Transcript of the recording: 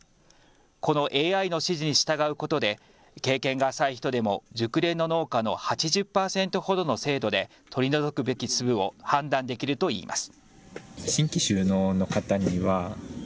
このＡＩの指示に従うことで経験が浅い人でも熟練の農家の８０％ほどの精度で取り除くべき粒を判断できるといいます。